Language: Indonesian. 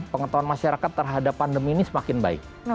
pengetahuan masyarakat terhadap pandemi ini semakin baik